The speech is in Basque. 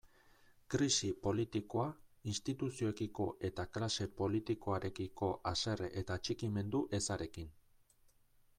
Krisi politikoa, instituzioekiko eta klase politikoarekiko haserre eta atxikimendu ezarekin.